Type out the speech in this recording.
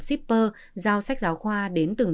shipper giao sách giáo khoa đến từng